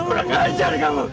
kurang ajar kamu